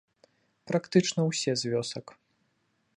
Практычна ўсе з вёсак.